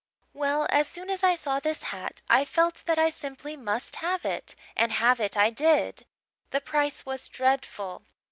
Well, as soon as I saw this hat I felt that I simply must have it and have it I did. The price was dreadful.